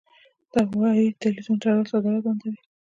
د هوایی دهلیزونو تړل صادرات بندوي.